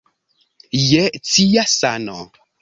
Je cia sano!